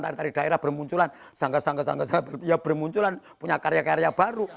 tari tari daerah bermunculan sangka sangka sangka sangka bermunculan punya karya karya baru